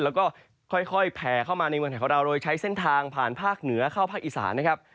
แล้วก็ค่อยแผ่เข้ามาในเมืองไทยของเราโดยใช้เส้นทางผ่านภาคเหนือเข้าภาคอีสานนะครับ